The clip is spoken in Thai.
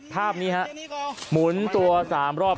ภาพนี้ฮะหมุนตัว๓รอบ